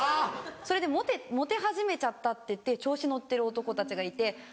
それでモテ始めちゃったっていって調子乗ってる男たちがいて。